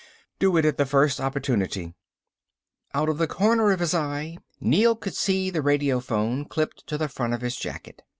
Do it at the first opportunity." Out of the corner of his eye, Neel could see the radiophone clipped to the front of his jacket.